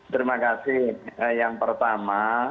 terima kasih yang pertama